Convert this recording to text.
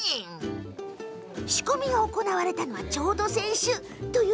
仕込みが行われたのはちょうど先週。